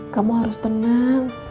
kamu harus tenang